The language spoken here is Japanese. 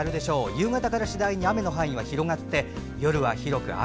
夕方から次第に雨の範囲が広がり夜には広く雨。